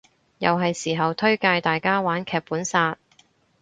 又係時候推介大家玩劇本殺